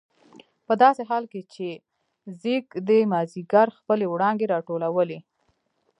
په داسې حال کې چې ځېږدي مازدیګر خپلې وړانګې راټولولې.